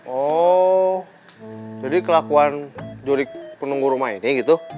oh jadi kelakuan juri penunggu rumah ini gitu